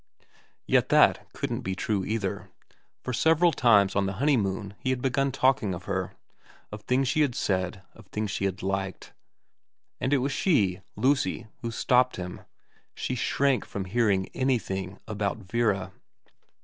Yet that couldn't be true either, for several times on the honeymoon he had begun talking of her, of things she had said, of things she had liked, and it was she, Lucy, who stopped him. She shrank from hearing anything about Vera.